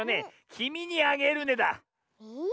「きみにあげるね」だ。え？